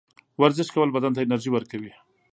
ورزش کول بدن ته انرژي ورکوي.